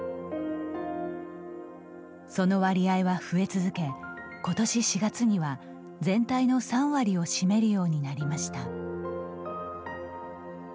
その割合は増え続けことし４月には全体の３割を占めるようになりました。